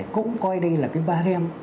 cũng coi đây là cái ba rem